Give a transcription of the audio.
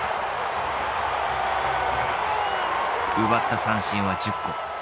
奪った三振は１０個。